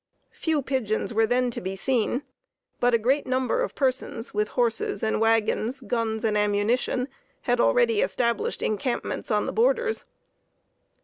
Few pigeons were then to be seen, but a great number of persons, with horses and wagons, guns and ammunition, had already established encampments on the borders.